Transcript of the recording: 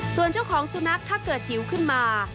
ส่วนเจ้าของสุนัขถ้าเกิดหิวขึ้นมา